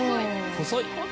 細い！